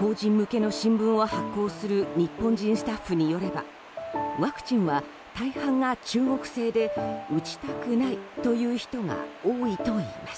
邦人向けの新聞を発行する日本人スタッフによればワクチンは大半が中国製で打ちたくないという人が多いといいます。